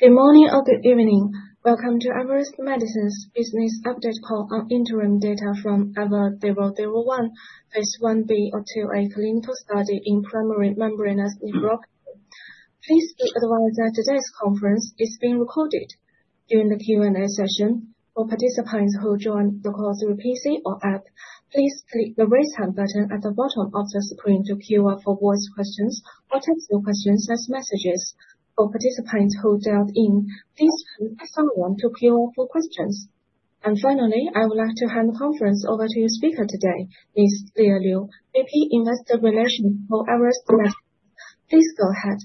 Good morning or good evening. Welcome to Everest Medicines' Business Update Call on interim data from EVER001, phase I-B of a clinical study in primary membranous nephropathy. Please be advised that today's conference is being recorded. During the Q&A session, for participants who join the call through PC or app, please click the raise hand button at the bottom of the screen to queue up for voice questions or text your questions as messages. For participants who dialed in, please press star one to queue up for questions. And finally, I would like to hand the conference over to your speaker today, Ms. Leah Liu, VP Investor Relations for Everest Medicines. Please go ahead.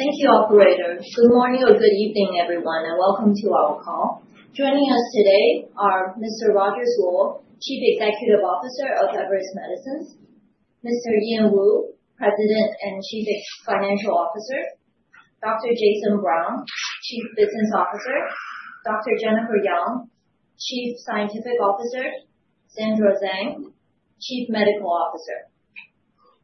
Thank you, Operator. Good morning or good evening, everyone, and welcome to our call. Joining us today are Mr. Rogers Luo, Chief Executive Officer of Everest Medicines, Mr. Ian Woo, President and Chief Financial Officer, Dr. Jason Brown, Chief Business Officer, Dr. Jennifer Yang, Chief Scientific Officer, Sandra Zeng, Chief Medical Officer.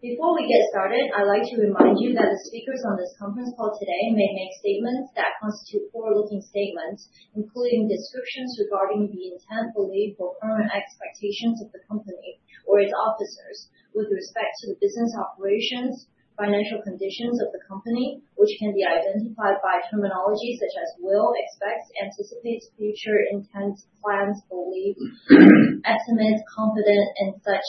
Before we get started, I'd like to remind you that the speakers on this conference call today may make statements that constitute forward-looking statements, including descriptions regarding the intent, belief, or current expectations of the company or its officers with respect to the business operations, financial conditions of the company, which can be identified by terminology such as will, expects, anticipates, future intent, plans, beliefs, estimates, confidence, and such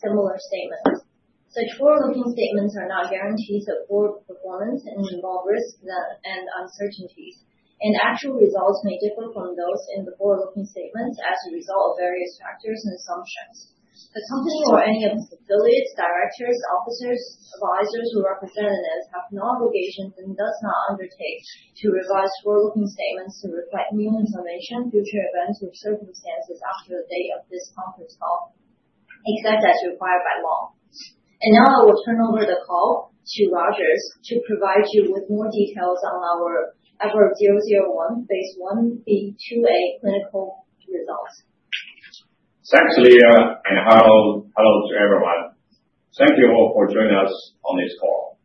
similar statements. Such forward-looking statements are not guarantees of future performance and involve risks and uncertainties, and actual results may differ from those in the forward-looking statements as a result of various factors and assumptions. The company or any of its affiliates, directors, officers, advisors, or representatives have no obligations and does not undertake to revise forward-looking statements to reflect new information, future events, or circumstances after the date of this conference call, except as required by law, and now I will turn over the call to Rogers to provide you with more details on our EVER001, phase I-B/II-A clinical results. Thank you, Leah, and hello to everyone. Thank you all for joining us on this call.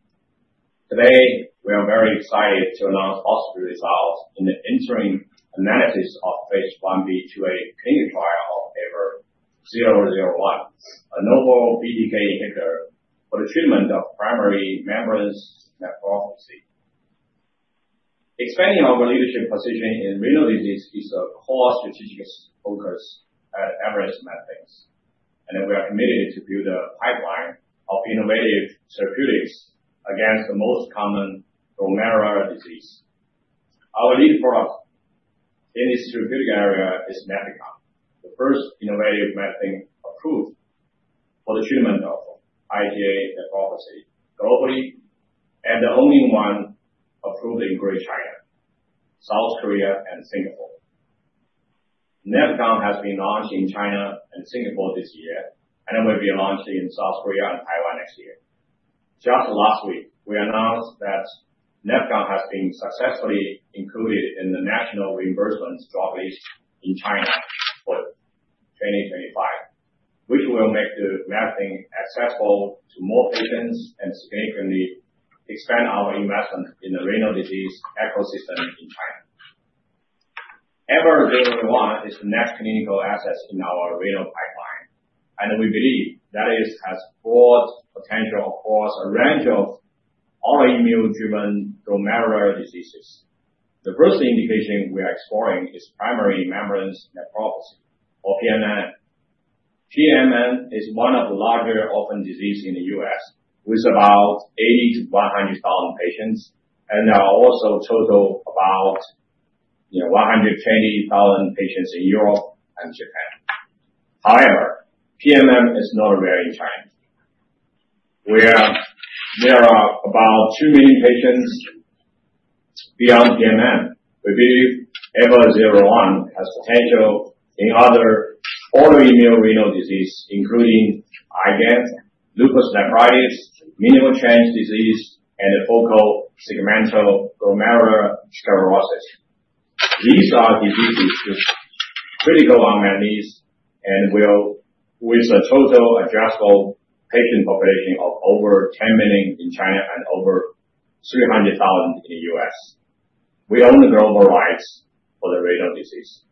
Today, we are very excited to announce positive results in the interim analysis of phase I-B/II-A clinical trial of EVER001, a novel BTK inhibitor for the treatment of primary membranous nephropathy. Expanding our leadership position in renal disease is a core strategic focus at Everest Medicines, and we are committed to build a pipeline of innovative therapeutics against the most common glomerular disease. Our lead product in this therapeutic area is NEFECON, the first innovative medicine approved for the treatment of IgA nephropathy globally and the only one approved in Greater China, South Korea, and Singapore. NEFECON has been launched in China and Singapore this year, and it will be launched in South Korea and Taiwan next year. Just last week, we announced that NEFECON has been successfully included in the national reimbursement drug list in China for 2025, which will make the medicine accessible to more patients and significantly expand our investment in the renal disease ecosystem in China. EVER001 is the next clinical asset in our renal pipeline, and we believe that it has broad potential across a range of autoimmune-driven glomerular diseases. The first indication we are exploring is primary membranous nephropathy, or PMN. PMN is one of the larger orphan diseases in the U.S. with about 80,000-100,000 patients, and there are also a total of about 120,000 patients in Europe and Japan. However, PMN is not rare in China. There are about 2 million patients beyond PMN. We believe EVER001 has potential in other autoimmune renal diseases, including IgA nephropathy, lupus nephritis, minimal change disease, and focal segmental glomerulosclerosis. These are diseases critical unmet medical needs, with a total addressable patient population of over 10 million in China and over 300,000 in the U.S., we own the global rights for the renal disease.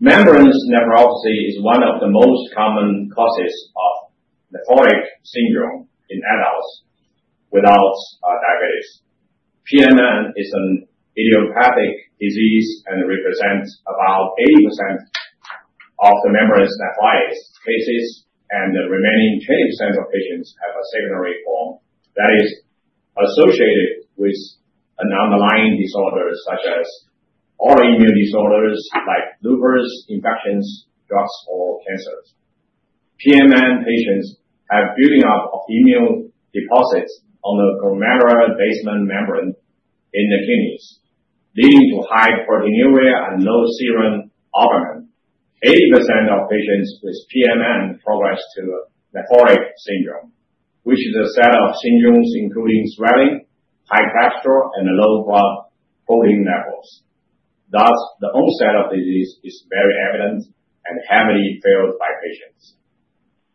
Membranous nephropathy is one of the most common causes of nephrotic syndrome in adults without diabetes. PMN is an idiopathic disease and represents about 80% of the membranous nephropathy cases, and the remaining 20% of patients have a secondary form that is associated with an underlying disorder such as autoimmune disorders like lupus, infections, drugs, or cancers. PMN patients have building up of immune deposits on the glomerular basement membrane in the kidneys, leading to high proteinuria and low serum albumin. 80% of patients with PMN progress to nephrotic syndrome, which is a set of syndromes including swelling, high cholesterol, and low blood protein levels. Thus, the onset of disease is very evident and heavily felt by patients.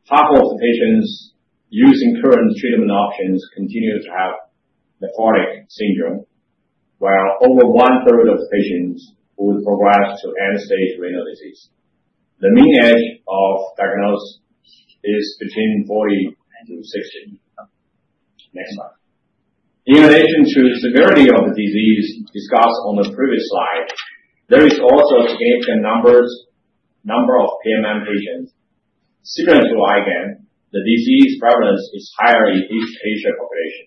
Half of the patients using current treatment options continue to have nephrotic syndrome, while over 1/3 of the patients would progress to end-stage renal disease. The mean age of diagnosis is between 40 and 60. Next slide. In relation to severity of the disease discussed on the previous slide, there is also a significant number of PMN patients. Similar to IgAN, the disease prevalence is higher in each Asian population.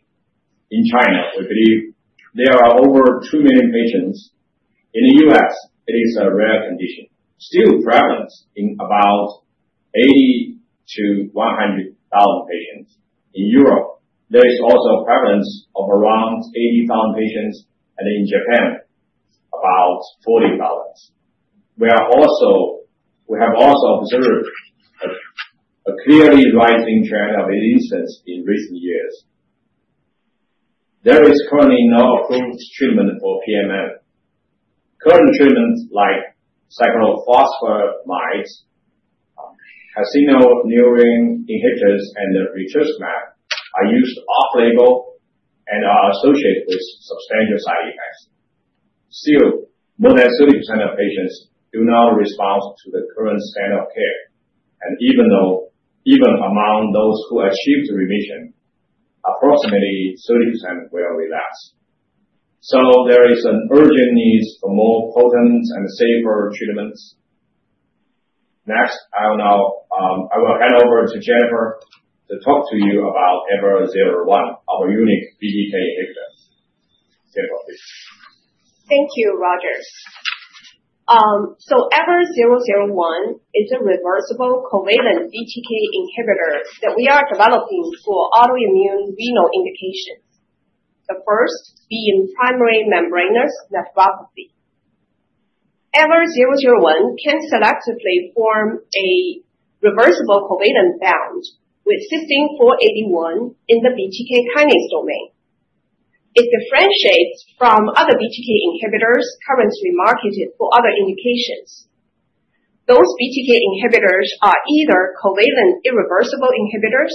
In China, we believe there are over 2 million patients. In the U.S., it is a rare condition. Still, prevalence is about 80,000-100,000 patients. In Europe, there is also a prevalence of around 80,000 patients, and in Japan, about 40,000. We have also observed a clearly rising trend of illnesses in recent years. There is currently no approved treatment for PMN. Current treatments like cyclophosphamide, calcineurin inhibitors, and rituximab are used off-label and are associated with substantial side effects. Still, more than 30% of patients do not respond to the current standard of care, and even among those who achieved remission, approximately 30% will relapse. So there is an urgent need for more potent and safer treatments. Next, I will now hand over to Jennifer to talk to you about EVER001, our unique BTK inhibitor. Jennifer, please. Thank you, Rogers, so EVER001 is a reversible covalent BTK inhibitor that we are developing for autoimmune renal indications, the first being primary membranous nephropathy. EVER001 can selectively form a reversible covalent bond with cysteine 481 in the BTK kinase domain. It differentiates from other BTK inhibitors currently marketed for other indications. Those BTK inhibitors are either covalent irreversible inhibitors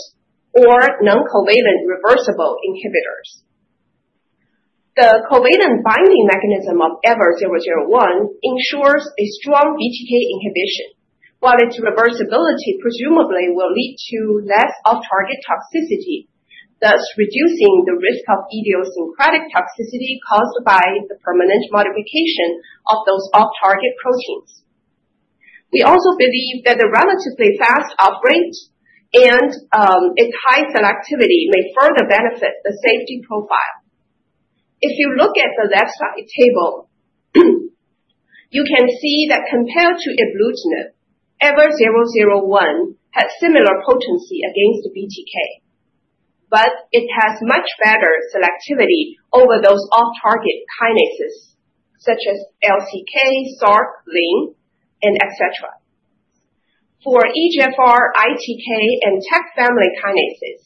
or non-covalent reversible inhibitors. The covalent binding mechanism of EVER001 ensures a strong BTK inhibition, while its reversibility presumably will lead to less off-target toxicity, thus reducing the risk of idiosyncratic toxicity caused by the permanent modification of those off-target proteins. We also believe that the relatively fast on rate and its high selectivity may further benefit the safety profile. If you look at the left-side table, you can see that compared to ibrutinib, EVER001 has similar potency against BTK, but it has much better selectivity over those off-target kinases such as LCK, SRC, LYN, etc. For EGFR, ITK, and TEC family kinases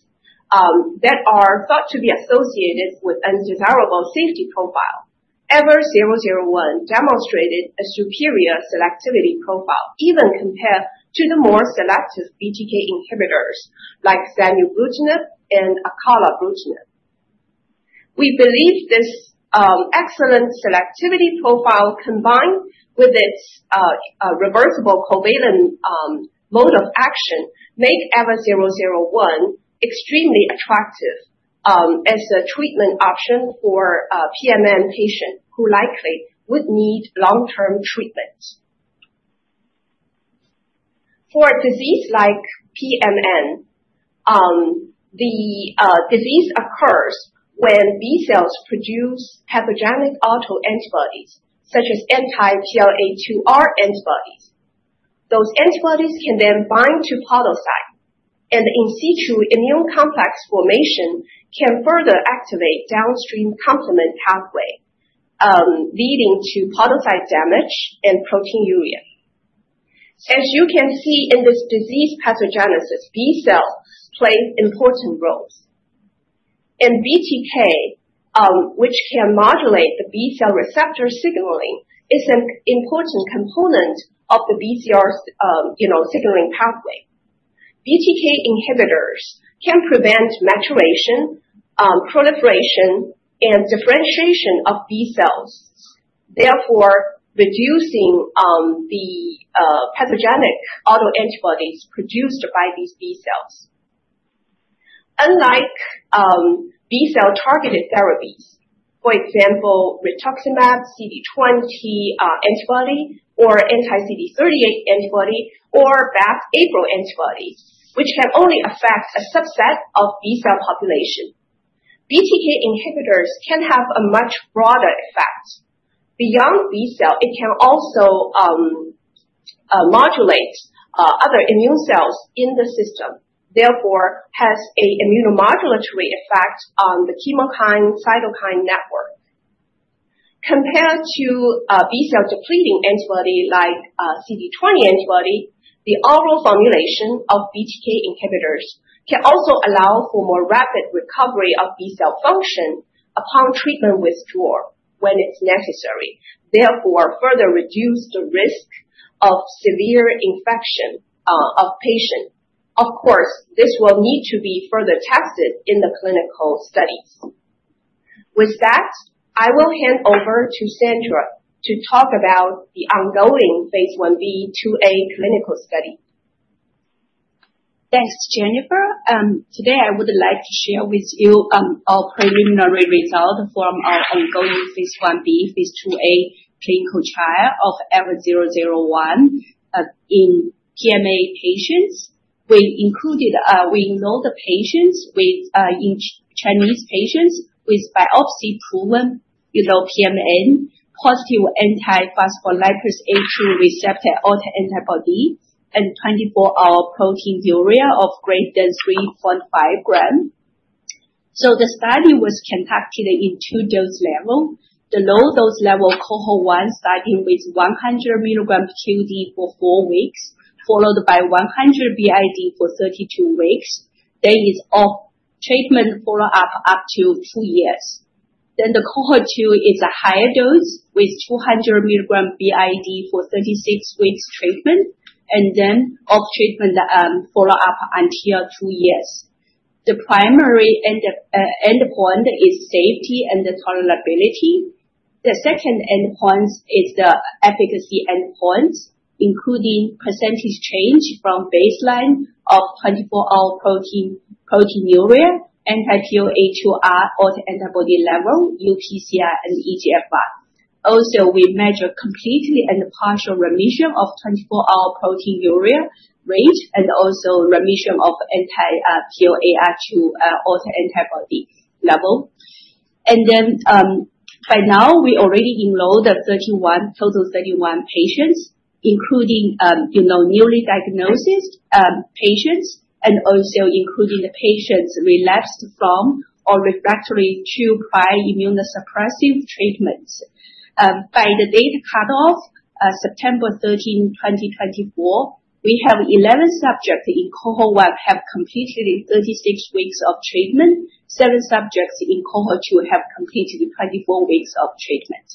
that are thought to be associated with an undesirable safety profile, EVER001 demonstrated a superior selectivity profile even compared to the more selective BTK inhibitors like zanubrutinib and acalabrutinib. We believe this excellent selectivity profile, combined with its reversible covalent mode of action, makes EVER001 extremely attractive as a treatment option for PMN patients who likely would need long-term treatment. For a disease like PMN, the disease occurs when B cells produce pathogenic autoantibodies such as anti-PLA2R antibodies. Those antibodies can then bind to podocyte, and the in situ immune complex formation can further activate the downstream complement pathway, leading to podocyte damage and proteinuria. As you can see in this disease pathogenesis, B cells play important roles, and BTK, which can modulate the B cell receptor signaling, is an important component of the BCR signaling pathway. BTK inhibitors can prevent maturation, proliferation, and differentiation of B cells, therefore reducing the pathogenic autoantibodies produced by these B cells. Unlike B cell targeted therapies, for example, rituximab CD20 antibody or anti-CD38 antibody or BAFF/APRIL antibody, which can only affect a subset of B cell population, BTK inhibitors can have a much broader effect. Beyond B cell, it can also modulate other immune cells in the system, therefore, has an immunomodulatory effect on the chemokine-cytokine network. Compared to B cell depleting antibody like CD20 antibody, the oral formulation of BTK inhibitors can also allow for more rapid recovery of B cell function upon treatment withdrawal when it's necessary, therefore further reducing the risk of severe infection of patients. Of course, this will need to be further tested in the clinical studies. With that, I will hand over to Sandra to talk about the ongoing phase I-B, II-A clinical study. Thanks, Jennifer. Today, I would like to share with you our preliminary result from our ongoing phase I-B, phase II-A clinical trial of EVER001 in PMN patients. We included, you know, Chinese patients with biopsy-proven PMN, positive anti-phospholipase A2 receptor autoantibody, and 24-hour proteinuria of greater than 3.5 g. The study was conducted in two dose levels. The low dose level cohort 1 starting with 100 mg QD for four weeks, followed by 100 b.i.d. for 32 weeks. It's off-treatment follow-up up to two years. The cohort 2 is a higher dose with 200 mg b.i.d. for 36 weeks treatment, and then off-treatment follow-up until two years. The primary endpoint is safety and tolerability. The second endpoint is the efficacy endpoint, including percentage change from baseline of 24-hour proteinuria, anti-PLA2R autoantibody level, UPCR, and EGFR. Also, we measured complete and partial remission of 24-hour proteinuria rate and also remission of anti-PLA2R autoantibody level. Then by now, we already enrolled a total of 31 patients, including newly diagnosed patients and also including the patients relapsed from or refractory to prior immunosuppressive treatments. By the data cutoff September 13, 2024, we have 11 subjects in cohort 1 have completed 36 weeks of treatment. Seven subjects in cohort 2 have completed 24 weeks of treatment.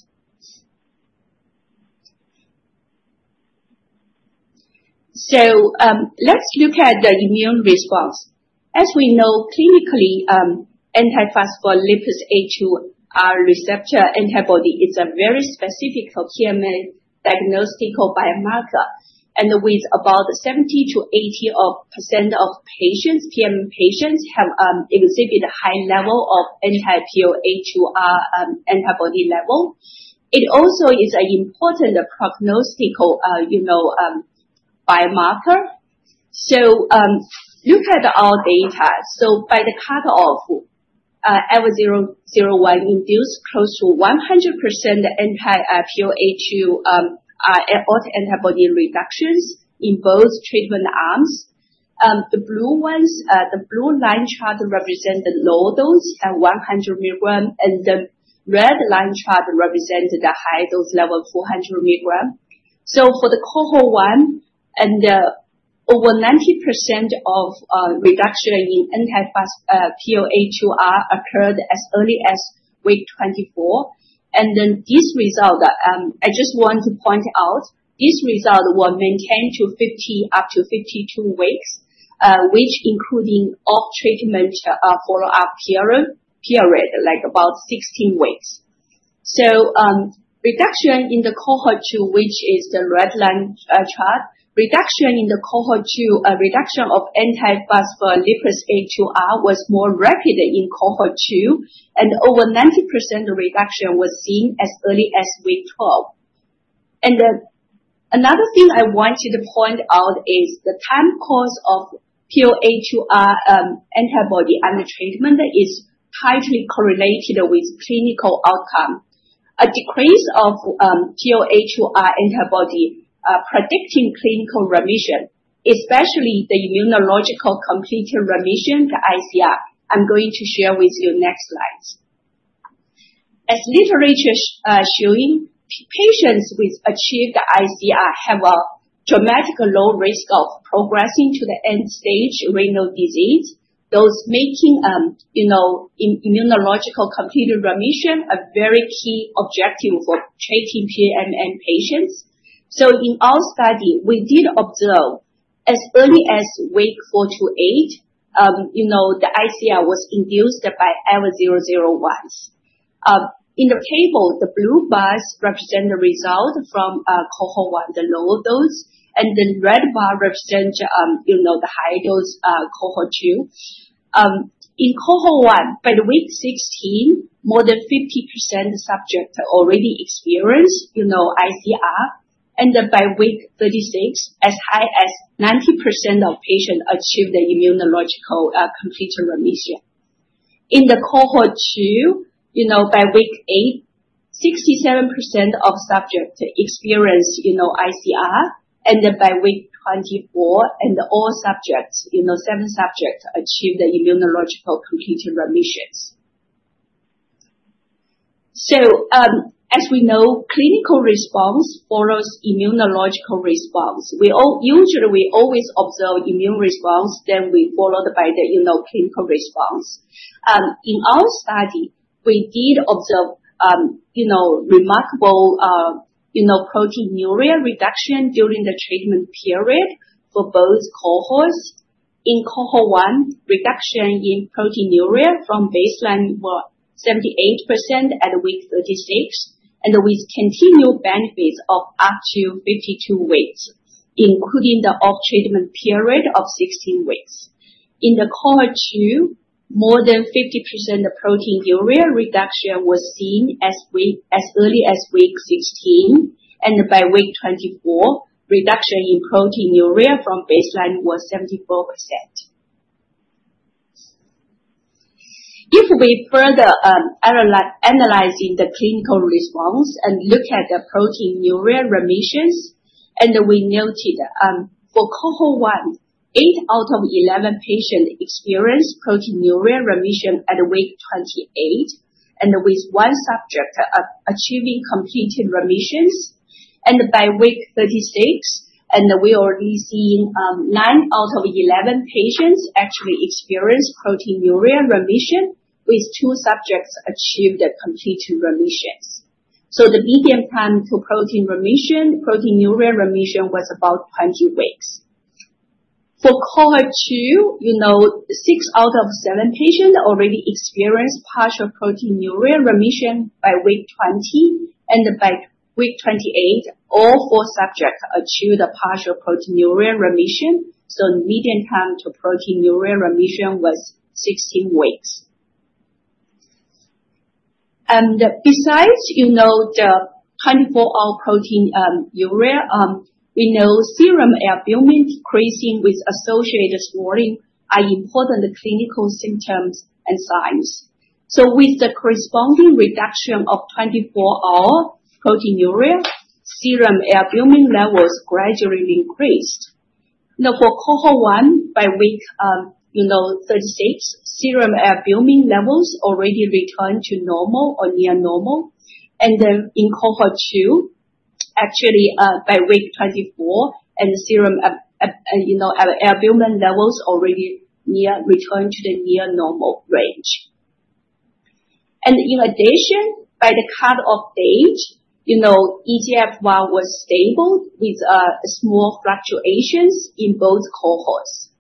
Let's look at the immune response. As we know, clinically, anti-phospholipase A2 receptor antibody is a very specific for PMN diagnostic biomarker, and with about 70%-80% of patients, PMN patients have exhibited a high level of anti-PLA2R antibody level. It also is an important prognostic biomarker. Look at our data. By the cut-off, EVER001 induced close to 100% anti-PLA2R autoantibody reductions in both treatment arms. The blue lines chart represent the low dose at 100 mg, and the red line chart represents the high dose level at 400 mg. For the cohort 1, over 90% of reduction in anti-PLA2R occurred as early as week 24. Then this result, I just want to point out, this result was maintained to 50 up to 52 weeks, which included off treatment follow-up period like about 16 weeks. Reduction in the cohort 2, which is the red line chart, of anti-PLA2R was more rapid in cohort 2, and over 90% of reduction was seen as early as week 12. Another thing I wanted to point out is the time course of PLA2R antibody under treatment is tightly correlated with clinical outcome. A decrease of PLA2R antibody predicting clinical remission, especially the immunological complete remission, the ICR. I'm going to share with you next slides. As literature is showing, patients with achieved ICR have a dramatic low risk of progressing to the end-stage renal disease. Those making immunological complete remission are a very key objective for treating PMN patients. So in our study, we did observe as early as week 4-8, the ICR was induced by EVER001. In the table, the blue bars represent the result from cohort 1, the low dose, and the red bar represents the high dose cohort 2. In cohort 1, by week 16, more than 50% of subjects already experienced ICR, and by week 36, as high as 90% of patients achieved the immunological complete remission. In the cohort 2, by week 8, 67% of subjects experienced ICR, and by week 24, all subjects, seven subjects achieved the immunological complete remissions. So, as we know, clinical response follows immunological response. Usually, we always observe immune response, then we followed by the clinical response. In our study, we did observe remarkable proteinuria reduction during the treatment period for both cohorts. In cohort 1, reduction in proteinuria from baseline was 78% at week 36, and with continued benefits of up to 52 weeks, including the off treatment period of 16 weeks. In the cohort 2, more than 50% of proteinuria reduction was seen as early as week 16, and by week 24, reduction in proteinuria from baseline was 74%. If we further analyze the clinical response and look at the proteinuria remissions, and we noted for cohort 1, eight out of 11 patients experienced proteinuria remission at week 28, and with one subject achieving complete remissions, and by week 36, we already see nine out of 11 patients actually experienced proteinuria remission, with two subjects achieving complete remissions. The median time to proteinuria remission was about 20 weeks. For cohort 2, six out of seven patients already experienced partial proteinuria remission by week 20, and by week 28, all four subjects achieved partial proteinuria remission. Median time to proteinuria remission was 16 weeks. Besides the 24-hour proteinuria, we know serum albumin decreasing with associated swelling are important clinical symptoms and signs. With the corresponding reduction of 24-hour proteinuria, serum albumin levels gradually increased. Now, for cohort 1, by week 36, serum albumin levels already returned to normal or near normal. And then in cohort 2, actually by week 24, and serum albumin levels already returned to the near normal range. And in addition, by the cut-off date, EGFR was stable with small fluctuations in both cohorts.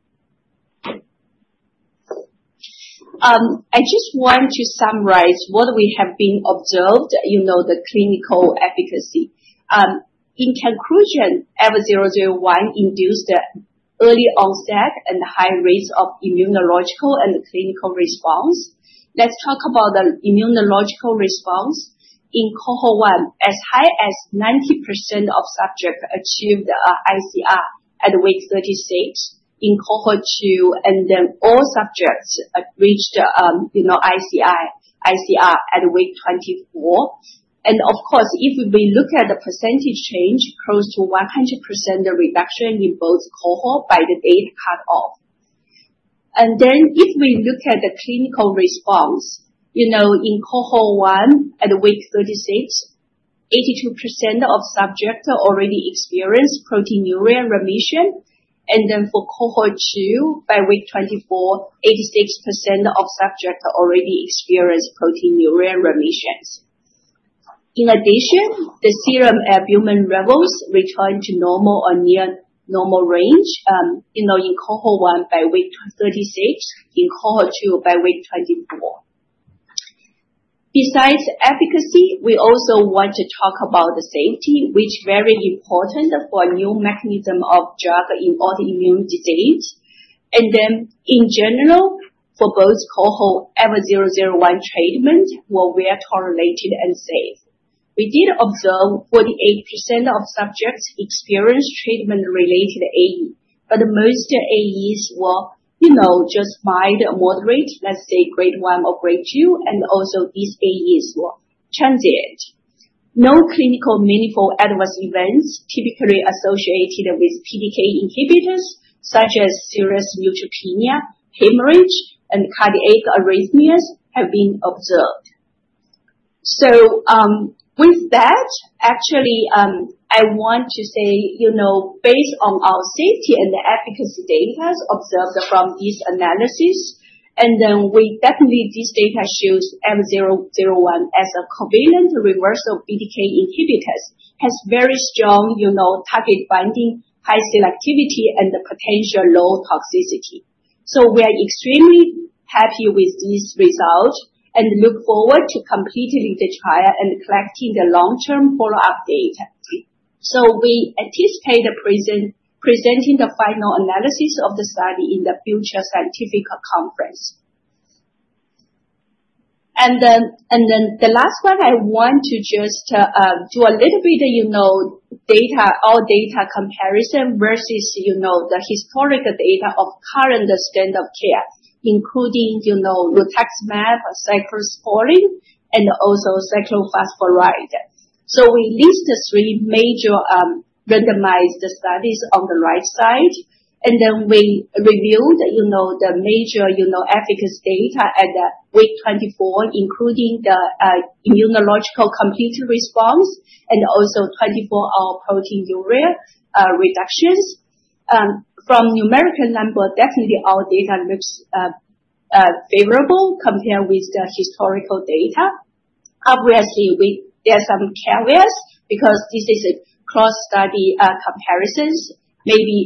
I just want to summarize what we have been observed, the clinical efficacy. In conclusion, EVER001 induced early onset and high rates of immunological and clinical response. Let's talk about the immunological response. In cohort 1, as high as 90% of subjects achieved ICR at week 36. In cohort 2, and then all subjects reached ICR at week 24. And of course, if we look at the percentage change, close to 100% reduction in both cohorts by the date cut-off. And then if we look at the clinical response, in cohort 1 at week 36, 82% of subjects already experienced proteinuria remission. And then for cohort 2, by week 24, 86% of subjects already experienced proteinuria remissions. In addition, the serum albumin levels returned to normal or near normal range in cohort 1 by week 36, in cohort 2 by week 24. Besides efficacy, we also want to talk about the safety, which is very important for new mechanisms of drug in autoimmune disease. And then in general, for both cohorts, EVER001 treatment was well tolerated and safe. We did observe 48% of subjects experienced treatment-related AE, but most AEs were just mild, moderate, let's say grade 1 or grade 2, and also these AEs were transient. No clinically meaningful adverse events typically associated with BTK inhibitors, such as serious neutropenia, hemorrhage, and cardiac arrhythmias, have been observed. With that, actually, I want to say, based on our safety and the efficacy data observed from this analysis, and then we definitely this data shows EVER001 as a covalent reversible BTK inhibitor, has very strong target binding, high selectivity, and potential low toxicity. We are extremely happy with this result and look forward to completing the trial and collecting the long-term follow-up data. We anticipate presenting the final analysis of the study in the future scientific conference. The last one, I want to just do a little bit of data comparison versus the historical data of current standard of care, including rituximab, cyclosporine, and also cyclophosphamide. We list three major randomized studies on the right side, and then we reviewed the major efficacy data at week 24, including the immunological complete remission and also 24-hour proteinuria reductions. From numerical number, definitely our data looks favorable compared with the historical data. Obviously, there are some caveats because this is a cross-study comparison. Maybe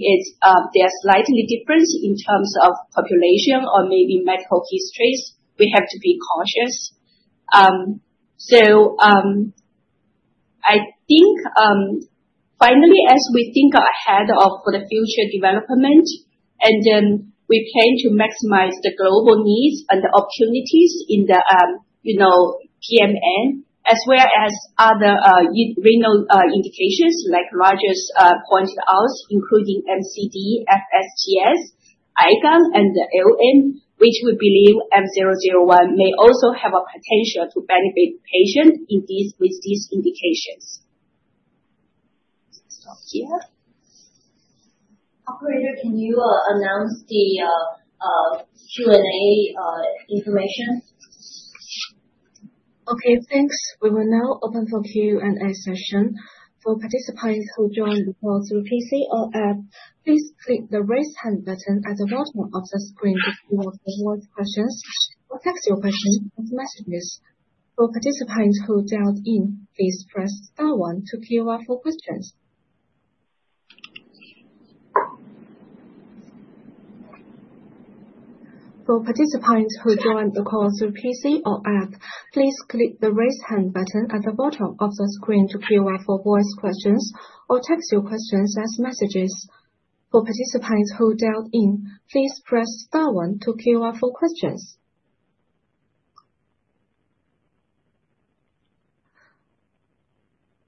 there are slight differences in terms of population or maybe medical histories. We have to be cautious. So I think finally, as we think ahead for the future development, and then we plan to maximize the global needs and opportunities in the PMN, as well as other renal indications like Rogers pointed out, including MCD, FSGS, IgAN, and LN, which we believe EVER001 may also have a potential to benefit patients with these indications. Stop here. Operator, can you announce the Q&A information? Okay, thanks. We will now open for Q&A session. For participants who join the call through PC or app, please click the raise hand button at the bottom of the screen if you want to voice questions or text your questions as messages. For participants who dialed in, please press star one to queue up for questions. For participants who joined the call through PC or app, please click the raise hand button at the bottom of the screen to queue up for voice questions or text your questions as messages. For participants who dialed in, please press star one to queue up for questions.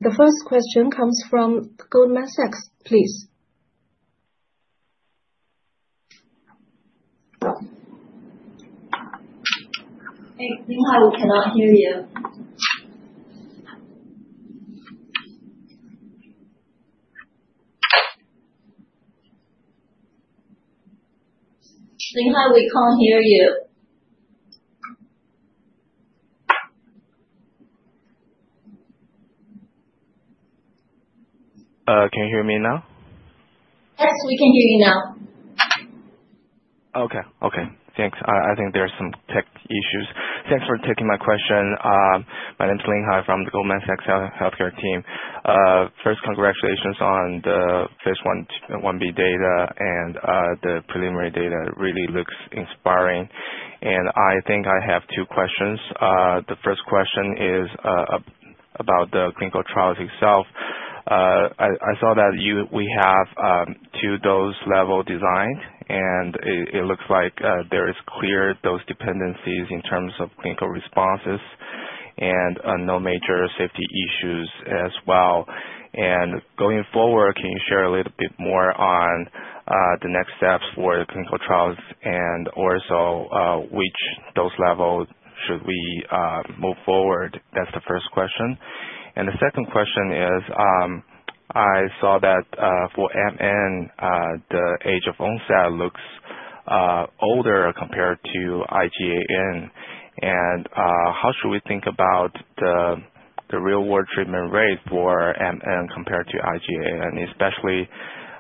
The first question comes from Goldman Sachs, please. Hey, we cannot hear you. Linhai, we can't hear you. Can you hear me now? Yes, we can hear you now. Okay, okay. Thanks. I think there are some tech issues. Thanks for taking my question. My name is Linhai from the Goldman Sachs Healthcare team. First, congratulations on the phase I, I-B data, and the preliminary data really looks inspiring. I think I have two questions. The first question is about the clinical trials itself. I saw that we have two dose level designs, and it looks like there are clear dose dependencies in terms of clinical responses and no major safety issues as well. Going forward, can you share a little bit more on the next steps for the clinical trials and also which dose level should we move forward? That's the first question. The second question is, I saw that for MN, the age of onset looks older compared to IgAN. How should we think about the real-world treatment rate for MN compared to IgAN? Especially,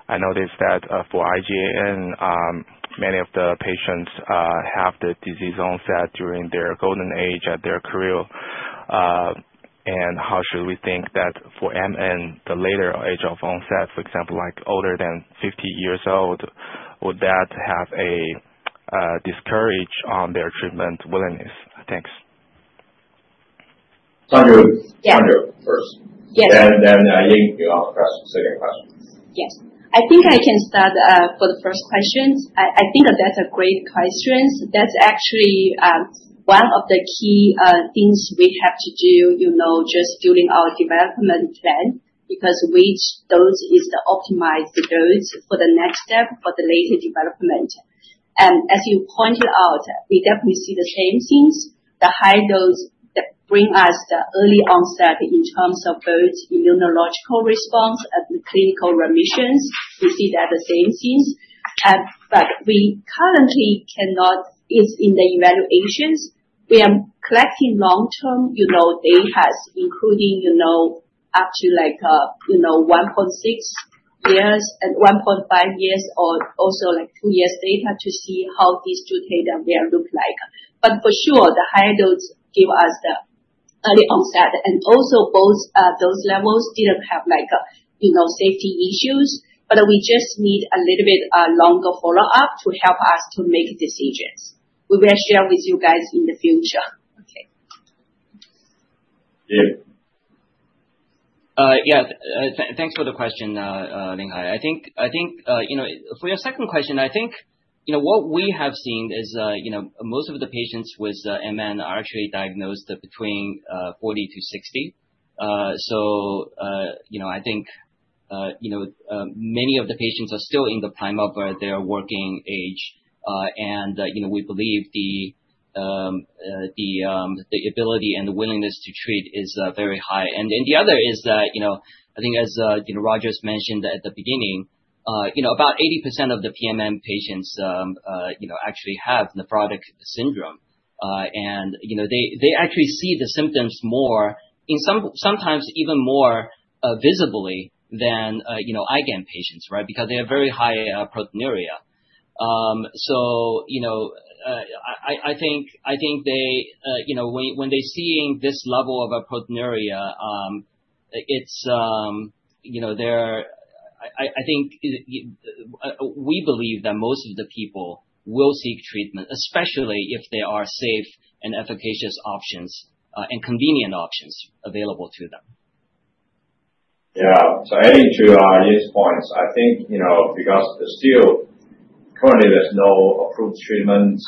I noticed that for IgAN, many of the patients have the disease onset during their golden age at their cradle. And how should we think that for MN, the later age of onset, for example, like older than 50 years old, would that have a discourage on their treatment willingness? Thanks. Sandra, first. Yes. And then Ian, you ask the second question. Yes. I think I can start for the first question. I think that's a great question. That's actually one of the key things we have to do, just during our development plan, because which dose is the optimized dose for the next step for the later development. And as you pointed out, we definitely see the same things. The high dose brings us the early onset in terms of both immunological response and the clinical remissions. We see that the same things. But we currently cannot, it is in the evaluations. We are collecting long-term data, including up to like 1.6 years and 1.5 years or also like two years data to see how these two data will look like. But for sure, the higher dose gives us the early onset. And also, both those levels didn't have safety issues, but we just need a little bit longer follow-up to help us to make decisions. We will share with you guys in the future. Okay. Yeah. Thanks for the question, Linhai. I think for your second question, I think what we have seen is most of the patients with MN are actually diagnosed between 40 to 60. So I think many of the patients are still in the prime of their working age. And we believe the ability and the willingness to treat is very high. The other is that I think, as Rogers mentioned at the beginning, about 80% of the PMN patients actually have nephrotic syndrome. They actually see the symptoms more, sometimes even more visibly than IgAN patients, right, because they have very high proteinuria. I think when they see this level of proteinuria, I think we believe that most of the people will seek treatment, especially if there are safe and efficacious options and convenient options available to them. Yeah. Adding to our earlier points, I think because still, currently, there's no approved treatment.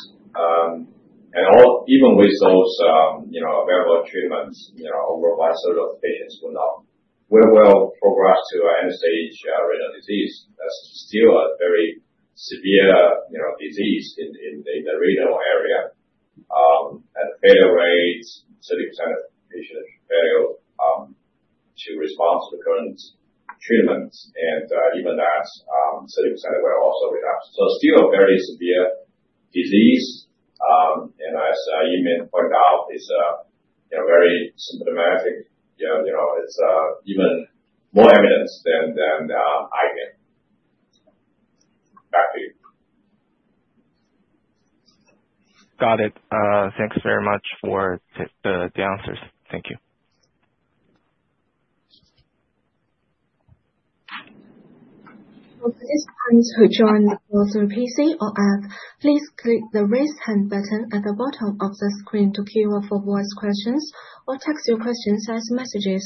Even with those available treatments, over 50% of the patients will eventually progress to end-stage renal disease. That's still a very severe disease in the renal area. The failure rate, 30% of patients fail to respond to the current treatments. Even that 30% will also relapse. So still a very severe disease. And as Ian pointed out, it's very symptomatic. It's even more evident than IgAN. Back to you. Got it. Thanks very much for the answers. Thank you. For participants who joined the call through PC or app, please click the raise hand button at the bottom of the screen to queue up for voice questions or text your questions as messages.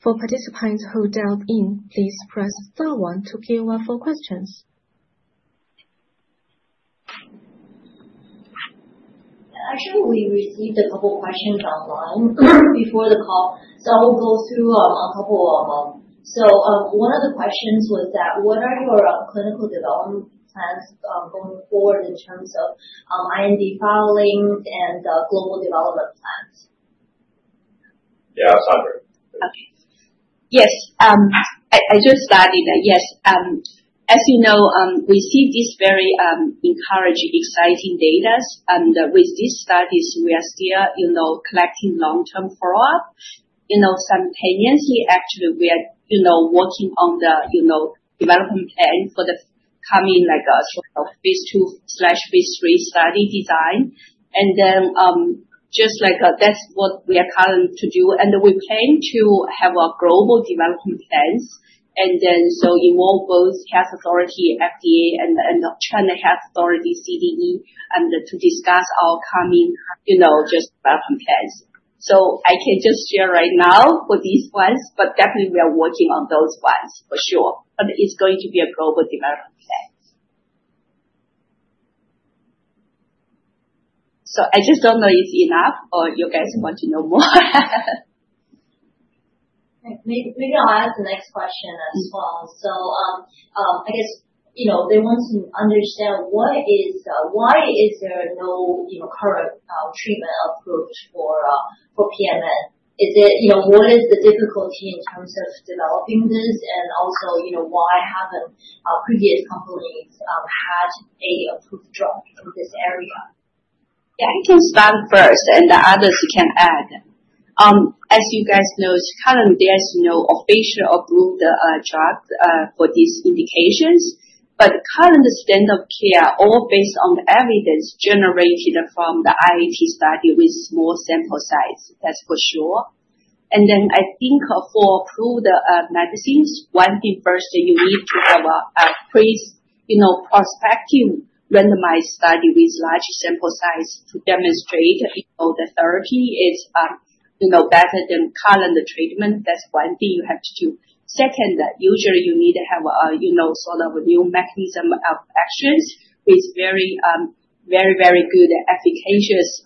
For participants who dialed in, please press star one to queue up for questions. Actually, we received a couple of questions online before the call. So I will go through a couple of them. So one of the questions was that, what are your clinical development plans going forward in terms of IND filing and global development plans? Yeah, Sandra. Okay. Yes. I just started that. Yes. As you know, we see these very encouraging, exciting data. And with these studies, we are still collecting long-term follow-up. Simultaneously, actually, we are working on the development plan for the coming sort of phase II/phase III study design. And then just like that's what we are currently to do. And we plan to have our global development plans and then so involve both Health Authority, FDA, and China Health Authority, CDE, and to discuss our coming just development plans. So I can just share right now for these ones, but definitely we are working on those ones for sure. But it's going to be a global development plan. So I just don't know if it's enough or you guys want to know more. Maybe I'll ask the next question as well. So I guess they want to understand why is there no current treatment approach for PMN? What is the difficulty in terms of developing this? Also, why haven't previous companies had an approved drug in this area? Yeah, I can start first, and the others can add. As you guys know, currently, there's no official approved drug for these indications. But current standard of care, all based on the evidence generated from the IIT study with small sample size, that's for sure. And then I think for approved medicines, one thing first, you need to have a prospective randomized study with large sample size to demonstrate the therapy is better than current treatment. That's one thing you have to do. Second, usually, you need to have sort of a new mechanism of actions with very, very, very good efficacious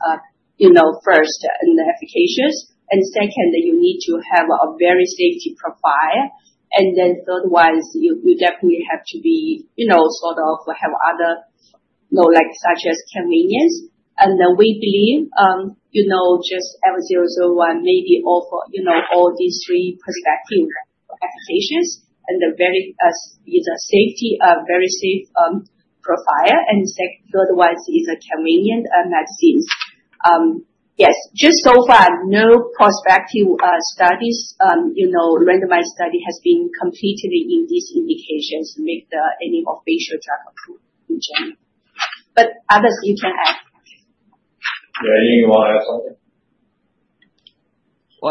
first and efficacious. And second, you need to have a very safety profile. And then third one, you definitely have to be sort of have other such as convenience. And then we believe just EVER001, NEFECON, NEFECON, maybe all these three prospective efficacious and the very safety, very safe profile. The third one is convenient medicines. Yes. Just so far, no prospective studies, randomized study has been completed in these indications to make any official drug approved in general. But others, you can add. Yeah. Ian, you want to add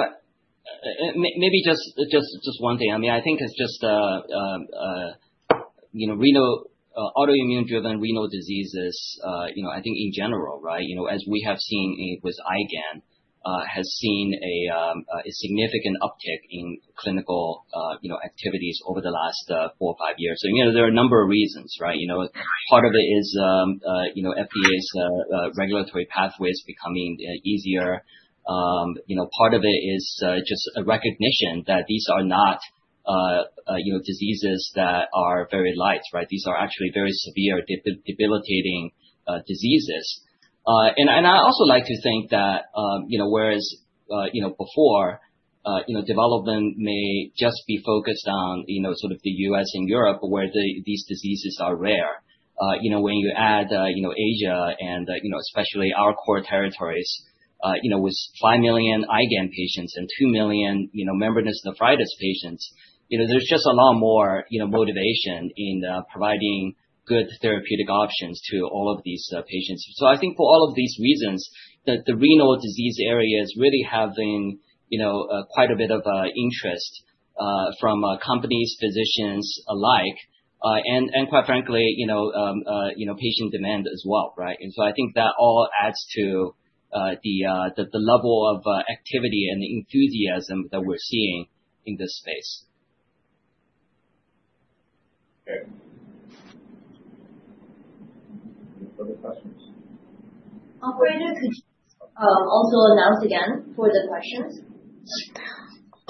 something? Maybe just one thing. I mean, I think it's just autoimmune-driven renal diseases, I think in general, right, as we have seen with IgAN, has seen a significant uptick in clinical activities over the last four or five years. There are a number of reasons, right? Part of it is FDA's regulatory pathways becoming easier. Part of it is just a recognition that these are not diseases that are very mild, right? These are actually very severe, debilitating diseases. I also like to think that whereas before, development may just be focused on sort of the U.S. and Europe where these diseases are rare, when you add Asia and especially our core territories with 5 million IgAN patients and 2 million membranous nephropathy patients, there's just a lot more motivation in providing good therapeutic options to all of these patients. I think for all of these reasons, the renal disease areas really have been quite a bit of interest from companies, physicians alike, and quite frankly, patient demand as well, right? I think that all adds to the level of activity and the enthusiasm that we're seeing in this space. Okay. For the questions. Operator, could you also announce again for the questions?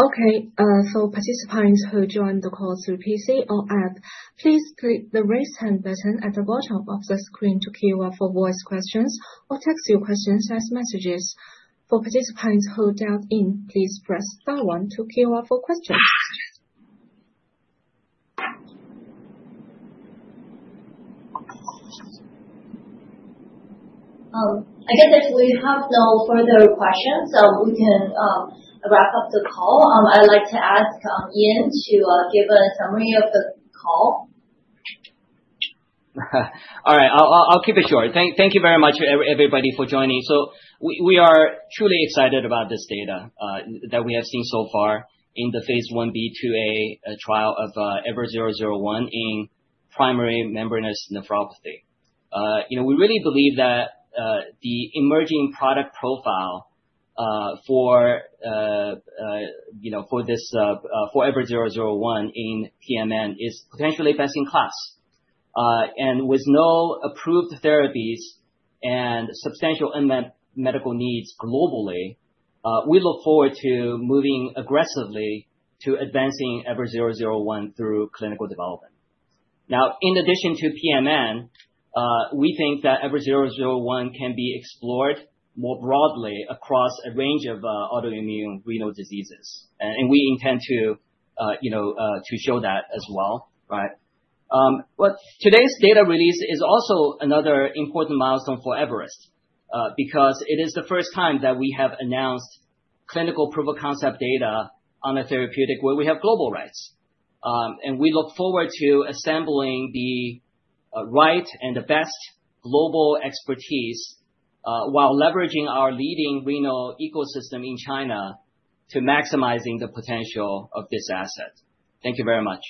Okay. So participants who joined the call through PC or app, please click the raise hand button at the bottom of the screen to queue up for voice questions or text your questions as messages. For participants who dialed in, please press star one to queue up for questions. I guess if we have no further questions, we can wrap up the call. I'd like to ask Ian to give a summary of the call. All right. I'll keep it short. Thank you very much, everybody, for joining. So we are truly excited about this data that we have seen so far in the phase I-B, II-A trial of EVER001 in primary membranous nephropathy. We really believe that the emerging product profile for this for EVER001 in PMN is potentially best in class. With no approved therapies and substantial medical needs globally, we look forward to moving aggressively to advancing EVER001 through clinical development. Now, in addition to PMN, we think that EVER001 can be explored more broadly across a range of autoimmune renal diseases. We intend to show that as well, right? Today's data release is also another important milestone for Everest because it is the first time that we have announced clinical proof of concept data on a therapeutic where we have global rights. We look forward to assembling the right and the best global expertise while leveraging our leading renal ecosystem in China to maximizing the potential of this asset. Thank you very much.